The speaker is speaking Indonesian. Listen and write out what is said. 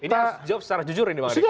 ini harus jawab secara jujur ini bang arya